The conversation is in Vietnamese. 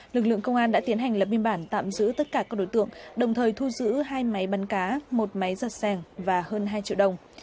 lực lượng công an đã tiến hành lập biên bản tạm giữ tất cả các đối tượng đồng thời thu giữ hai máy bắn cá một máy giặt sàng và hơn hai triệu đồng